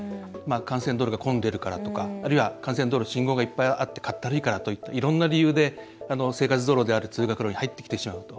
幹線道路が混んでるからとかあるいは幹線道路信号がいっぱいあってかったるいからといったいろいろな理由で生活道路である通学路に入ってきてしまうと。